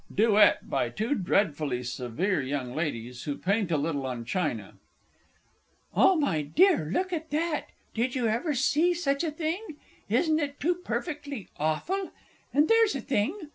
DUET BY TWO DREADFULLY SEVERE YOUNG LADIES, who paint a little on China. Oh, my dear, look at that. Did you ever see such a thing? Isn't it too perfectly awful? And there's a thing!